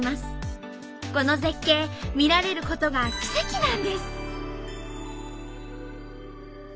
この絶景見られることが奇跡なんです。